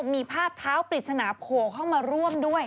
มีภาพเท้าปริศนาโผล่เข้ามาร่วมด้วย